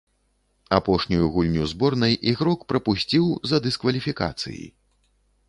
Апошнюю гульню зборнай ігрок прапусціў за дыскваліфікацыі.